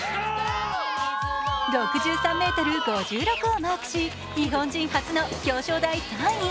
６３ｍ５６をマークし、日本人初の表彰台３位。